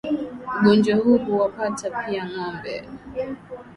Ugonjwa huu huwapata pia ngombe